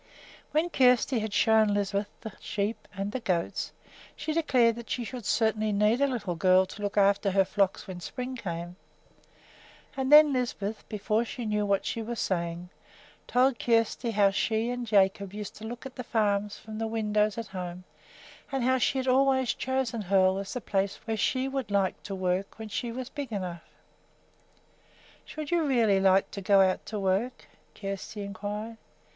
When Kjersti had shown Lisbeth the sheep and the goats, she declared that she should certainly need a little girl to look after her flocks when spring came; and then Lisbeth, before she knew what she was saying, told Kjersti how she and Jacob used to look at the farms from the window at home, and how she had always chosen Hoel as the place where she should like to work when she was big enough. "Should you really like to go out to work?" Kjersti inquired.